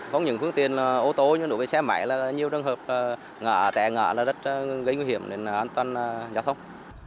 không những phương tiện ô tô nhưng đối với xe máy là nhiều đơn hợp ngả tẻ ngả là rất gây nguy hiểm đến an toàn giao thông